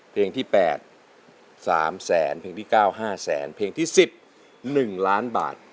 เพลงที่๘๓แสนเพลงที่๙๕แสนเพลงที่๑๑ล้านบาท